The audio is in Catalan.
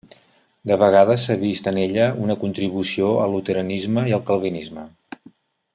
De vegades s'ha vist en ella una contribució al Luteranisme i al Calvinisme.